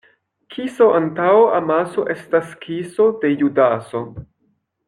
Kiso antaŭ amaso estas kiso de Judaso.